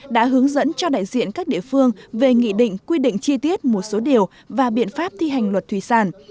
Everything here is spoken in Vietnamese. đã hướng dẫn cho đại diện các địa phương về nghị định quy định chi tiết một số điều và biện pháp thi hành luật thủy sản